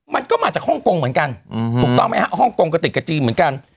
มันก็มาจากฮ่องกงเหมือนกันถูกต้องไหมฮะฮ่องกงก็ติดกับจีนเหมือนกัน